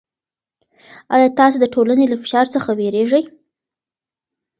آیا تاسې د ټولنې له فشار څخه وېرېږئ؟